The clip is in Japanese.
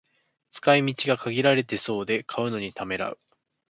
使い道が限られそうで買うのにためらう